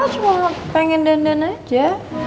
cuma pengen dandan aja